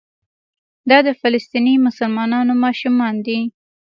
دا د فلسطیني مسلمانانو ماشومان دي.